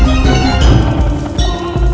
jangan pernah lakukan